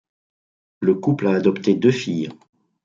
Le couple a adopté deux filles.